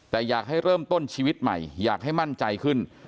แต่อยากให้เริ่มต้นชีวิตใหม่อยากให้มั่นใจขึ้น